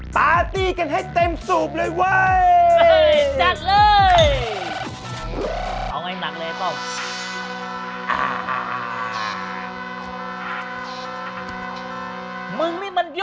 ปาร์ตี้กันให้เต็มที่